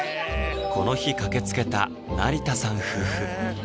この日駆けつけた成田さん夫婦